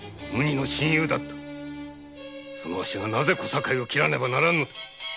そのわしがなぜ小堺を斬らねばならんのだ！